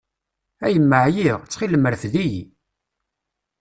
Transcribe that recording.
A yemma ɛyiɣ, ttxil-m rfed-iyi!